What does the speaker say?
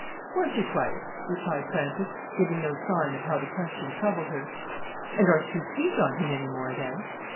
"Once or twice," replied Frances, giving no sign of how the question troubled her. "And aren't you sweet on him any more, then?"